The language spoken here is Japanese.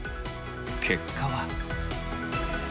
結果は？